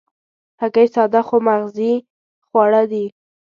هګۍ ساده خو مغذي خواړه دي.